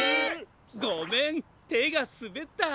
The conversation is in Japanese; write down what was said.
ごめんてがすべった！